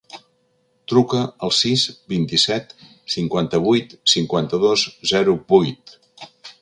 Truca al sis, vint-i-set, cinquanta-vuit, cinquanta-dos, zero, vuit.